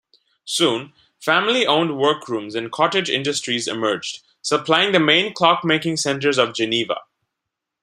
Soon, family-owned workrooms and cottage industries emerged, supplying the main clock-making centres of Geneva.